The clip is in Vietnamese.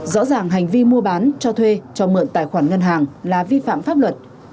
rõ ràng hành vi mua bán cho thuê cho mượn tài khoản ngân hàng là vi phạm pháp luật